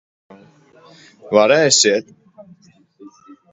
Varēsiet.